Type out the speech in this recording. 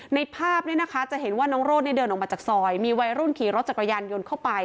ในภาพเนี่ยนะคะจะเห็นว่าน้องโรดเดินออกมาจากซอยมีวัยรุ่นขี่รถจักรยานยนต์เข้าไป